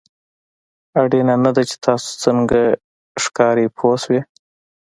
اړینه نه ده چې تاسو څنګه ښکارئ پوه شوې!.